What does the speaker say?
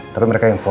tapi mereka info